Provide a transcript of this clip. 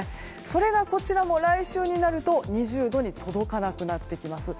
それが、こちらも来週になると２０度に届かなくなってきます。